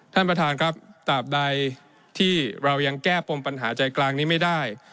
ท่านประธานครับตราบใดที่เรายังแก้ปมปัญหาใจกลางนี้ไม่ได้